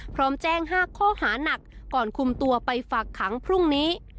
พร้อมแจ้ง๕ข้อหานักก่อนคุมตัวไปฝากขังพรุ่งนี้